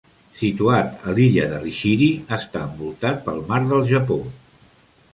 Situat a l'illa de Rishiri, està envoltat pel mar del Japó.